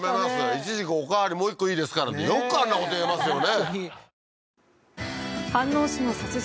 いちじくおかわりもう一個いいですか？なんてよくあんなこと言えますよね